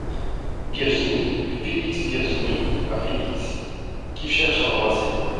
Virginie, Félix Virginie , à Félix, qui cherche à l’embrasser.